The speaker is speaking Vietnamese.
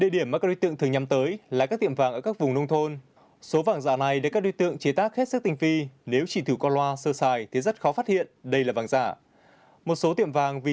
điển hình như vừa rồi như vậy có nghĩa là kịp thời